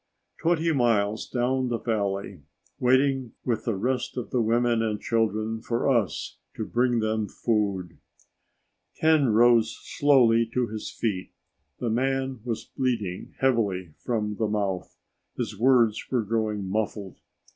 "Twenty miles down the valley, waiting with the rest of the women and children for us to bring them food." Ken rose slowly to his feet. The man was bleeding heavily from the mouth. His words were growing muffled.